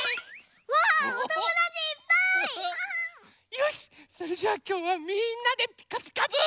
よしそれじゃあきょうはみんなで「ピカピカブ！」。